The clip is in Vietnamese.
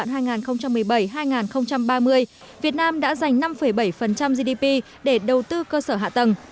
trong giai đoạn hai nghìn một mươi bảy hai nghìn ba mươi việt nam đã dành năm bảy gdp để đầu tư cơ sở hạ tầng